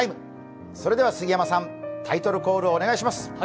それでは杉山さん、タイトルコールをお願いします。